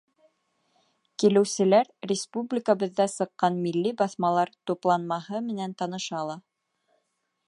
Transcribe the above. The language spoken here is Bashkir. Килеүселәр республикабыҙҙа сыҡҡан милли баҫмалар тупланмаһы менән таныша ала.